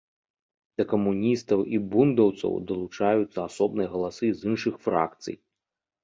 Да камуністаў і бундаўцаў далучаюцца асобныя галасы з іншых фракцый.